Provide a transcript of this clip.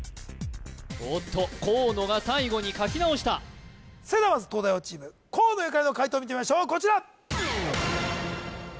おっと河野が最後に書き直したそれではまず東大王チーム河野ゆかりの解答を見てみましょうこちら！